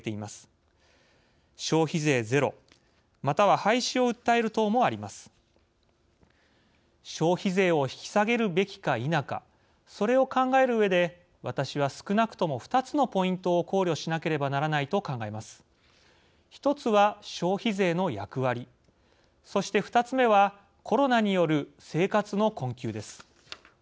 １つは消費税の役割そして２つ目はコロナによる生活の困窮です。